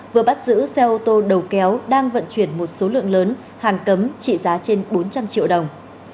vừa bắt giữ xe ô tô đầu kéo đang vận chuyển một số lượng lớn hàng cấm trị giá trên bốn trăm linh triệu đồng